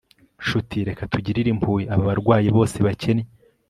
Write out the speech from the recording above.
nshuti, reka tugirire impuhwe aba barwayi bose bakennye